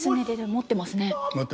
持ってます。